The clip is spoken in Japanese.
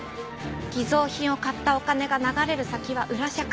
偽造品を買ったお金が流れる先は裏社会。